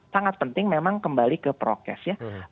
sangat penting memang kembali ke prokes ya